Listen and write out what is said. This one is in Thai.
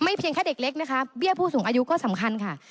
เพียงแค่เด็กเล็กนะคะเบี้ยผู้สูงอายุก็สำคัญค่ะ